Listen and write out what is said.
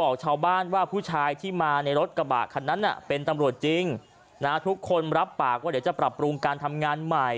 บอกชาวบ้านว่าผู้ชายที่มาในรถกระบะคันนั้นเป็นตำรวจจริงนะทุกคนรับปากว่าเดี๋ยวจะปรับปรุงการทำงานใหม่